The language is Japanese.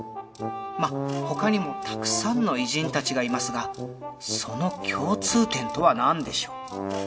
まっ他にもたくさんの偉人たちがいますがその共通点とは何でしょう？